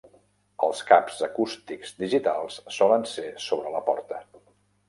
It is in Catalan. Els caps acústics digitals solen ser sobre la porta.